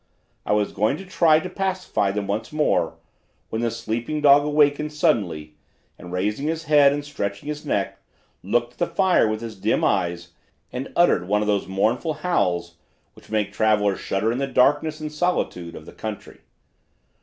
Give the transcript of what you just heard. I was going to try to pacify them once more, when the sleeping dog awakened suddenly and, raising his head and stretching his neck, looked at the fire with his dim eyes and uttered one of those mournful howls which make travelers shudder in the darkness and solitude of the country.